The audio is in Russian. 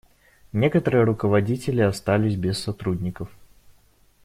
Некоторые руководители остались без сотрудников.